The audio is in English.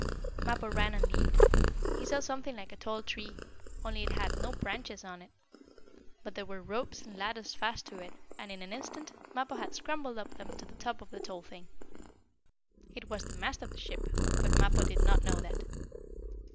Mappo ran and leaped. He saw something like a tall tree, only it had no branches on it. But there were ropes and ladders fast to it, and, in an instant, Mappo had scrambled up them to the top of the tall thing. It was the mast of the ship, but Mappo did not know that.